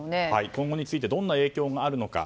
今後についてどんな影響があるのか。